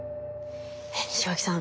西脇さん